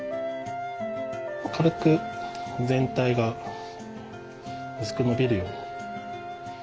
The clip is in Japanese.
軽く全体がうすくのびるように。